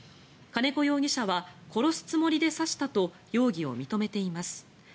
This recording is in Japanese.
金子容疑者は殺すつもりで刺したと容疑を認めています。